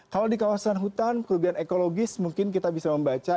kalau di kawasan hutan kerugian ekologis mungkin kita bisa membaca